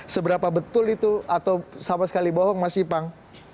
seberapa betul itu atau sama sekali bohong mas ipang